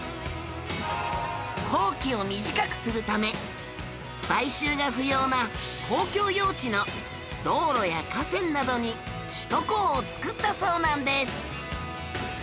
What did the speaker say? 工期を短くするため買収が不要な公共用地の道路や河川などに首都高を造ったそうなんです